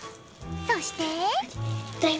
そして。